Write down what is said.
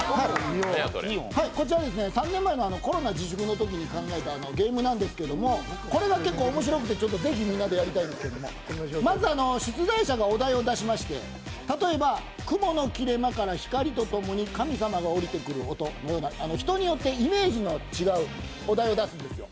こちら３年前のコロナ自粛のときに考えたゲームなんですけれどもこれが結構面白くてぜひみんなでやりたいんですけど、まず出題者がお題を出しまして例えば雲の切れ間から光とともに神様が降りてくる音人によってイメージの違うお題を出すんです。